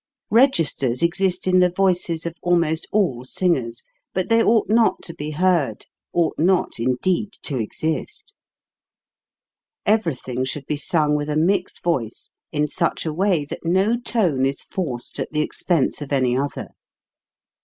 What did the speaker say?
Registers exist in the voices of almost all singers, but they ought not to be heard, ought not, indeed, to exist. Everything should be sung with a mixed voice in such a way that no tone is forced at the expense of any other.